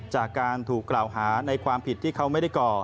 จากการถูกกล่าวหาในความผิดที่เขาไม่ได้ก่อ